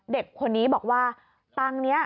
เด็กคนนี้บอกว่าตังค์นี้